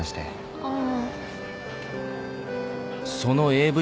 ああ。